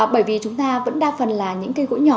bởi vì chúng ta vẫn đa phần là những cây gỗ nhỏ